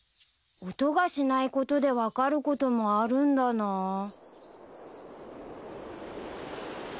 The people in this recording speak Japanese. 音がしないことで分かることもあるんだなぁ。